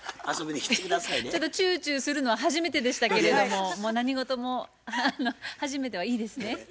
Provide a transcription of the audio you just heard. ちょっとチューチューするのは初めてでしたけれども何事も初めてはいいですね。